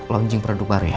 launching produk baru ya